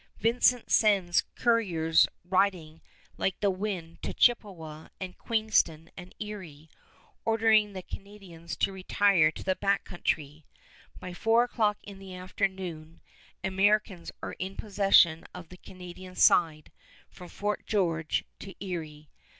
Vincent sends coureurs riding like the wind to Chippewa and Queenston and Erie, ordering the Canadians to retire to the Back Country. By four o'clock in the afternoon Americans are in possession of the Canadian side from Fort George to Erie.